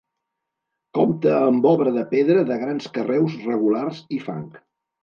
Compta amb obra de pedra de grans carreus regulars i fang.